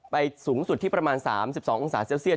สูงสุดที่ประมาณ๓๒องศาเซลเซียต